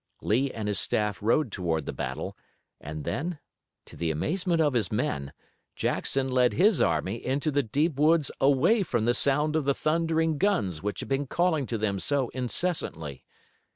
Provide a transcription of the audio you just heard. Lee and his staff rode toward the battle, and then, to the amazement of his men, Jackson led his army into the deep woods away from the sound of the thundering guns which had been calling to them so incessantly.